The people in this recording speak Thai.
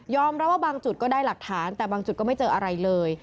รับว่าบางจุดก็ได้หลักฐานแต่บางจุดก็ไม่เจออะไรเลย